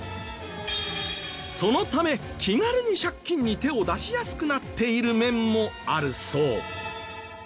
そのため気軽に借金に手を出しやすくなっている面もあるそう。